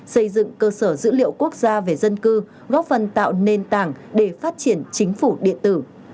xây dựng cơ sở dữ liệu quốc gia về dân cư góp phần tạo nền tảng để phát triển chính phủ điện tử